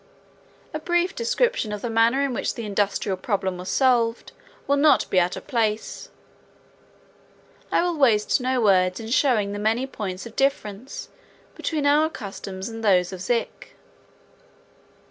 A brief description of the manner in which the industrial problem was solved will not be out of place. I will waste no words n showing the many points of difference between our customs and those of Zik.